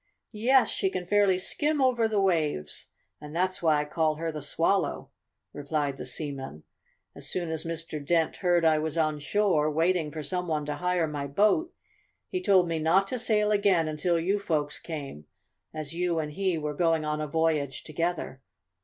"Yes, she can fairly skim over the waves, and that's why I call her the Swallow," replied the seaman. "As soon as Mr. Dent heard I was on shore, waiting for some one to hire my boat, he told me not to sail again until you folks came, as you and he were going on a voyage together.